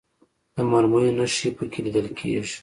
د مرمیو نښې په کې لیدل کېږي.